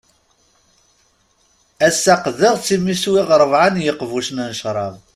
Ass-a qqdeɣ-tt imi swiɣ rebɛa n yiqbucen n cṛab.